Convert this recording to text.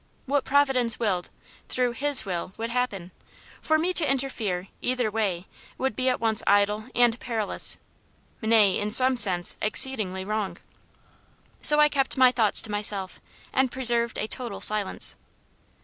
What Providence willed, through HIS will, would happen: for me to interfere either way would be at once idle and perilous; nay, in some sense, exceedingly wrong. So I kept my thoughts to myself, and preserved a total silence.